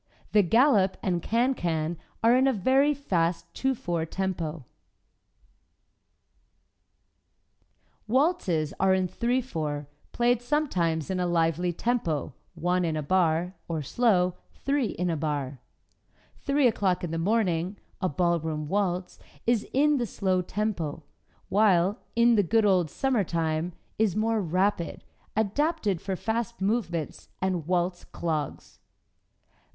The Gallop and Can Can are in a very fast 2 4 tempo. [Music: Can Can from "Orpheus" Offenbach] Waltzes are in 3 4, played sometimes in a lively tempo, one in a bar, or slow, 3 in a bar. "Three o'Clock in the Morning," a ballroom waltz is in the slow tempo, while "In the Good Old Summertime" is more rapid, adapted for fast movements and waltz clogs.